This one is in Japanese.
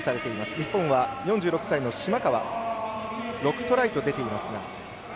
日本は４６歳の島川６トライと出ています。